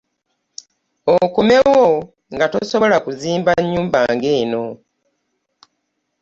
Okomewo nga tosobola kuzimba nnyumba ng'eno